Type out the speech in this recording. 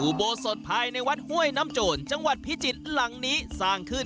อุโบสถภายในวัดห้วยน้ำโจรจังหวัดพิจิตรหลังนี้สร้างขึ้น